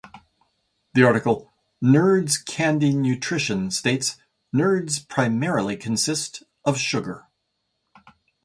The article "Nerds Candy Nutrition" states, "Nerds primarily consist of sugar.